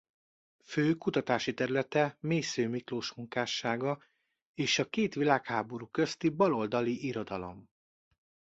Fő kutatási területe Mészöly Miklós munkássága és a két világháború közti baloldali irodalom.